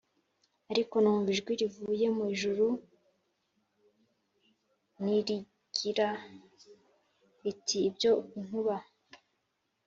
Ariko numva ijwi rivuye mu ijuru n rigira riti ibyo inkuba